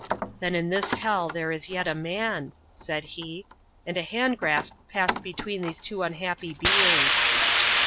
"Then in this hell there is yet a man," said he; and a hand grasp passed between these two unhappy beings.